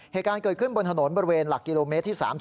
เหตุการณ์เกิดขึ้นบนถนนบริเวณหลักกิโลเมตรที่๓๐